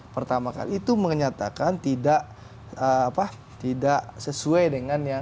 pertamakan itu menyatakan tidak sesuai dengan yang